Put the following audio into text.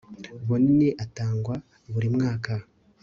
bunini atangwa buri mwaka